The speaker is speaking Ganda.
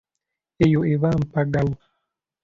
Eyo eba mpagalo.